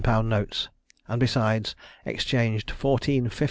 _ notes, and besides, exchanged fourteen 50_l.